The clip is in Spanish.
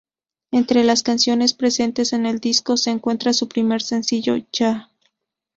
Entre las canciones presentes en el disco se encuentra su primer sencillo, "Yah!